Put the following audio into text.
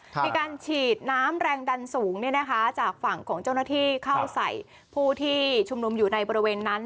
มีการฉีดน้ำแรงดันสูงจากฝั่งของเจ้าหน้าที่เข้าใส่ผู้ที่ชุมนุมอยู่ในบริเวณนั้น